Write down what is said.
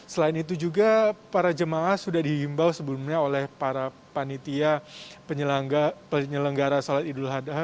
selain itu juga para jemaah sudah dihimbau sebelumnya oleh para panitia penyelenggara sholat idul adha